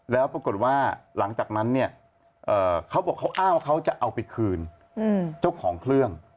แล้วปรากฏว่าหลังจากนั้นเนี่ยเขาบอกเขาอ้างว่าเขาจะเอาไปคืนเจ้าของเครื่อง